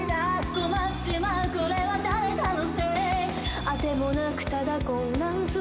「困っちまうこれは誰かのせい」「あてもなくただ混乱するエイデイ」